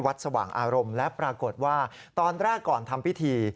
สว่างอารมณ์และปรากฏว่าตอนแรกก่อนทำพิธี